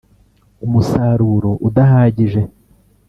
umusaruro udahagije